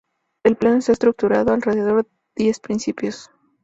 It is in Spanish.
El plan está estructurado alrededor diez principios.